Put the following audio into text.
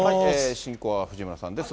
進行は藤村さんです。